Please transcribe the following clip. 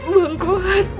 bang kohar bu